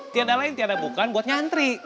tiada lain tiada bukan buat nyantri